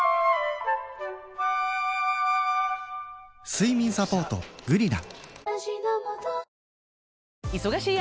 睡眠サポート「グリナ」